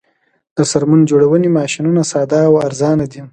د څرمن جوړونې ماشینونه ساده او ارزانه دي